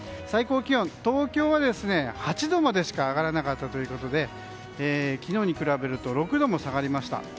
最高気温、東京は８度までしか上がらなかったということで昨日に比べると６度も下がりました。